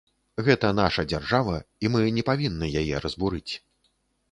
Гэта наша дзяржава, і мы не павінны яе разбурыць.